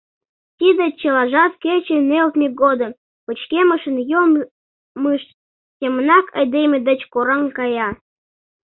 Тиде чылажат кече нӧлтмӧ годым пычкемышын йоммыж семынак айдеме деч кораҥ кая.